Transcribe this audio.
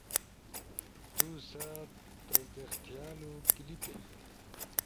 تو ست تصدیق تھیالو کلپس